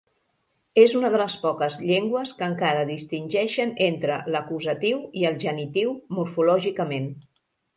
És una de les poques llengües que encara distingeixen entre l'acusatiu i el genitiu morfològicament.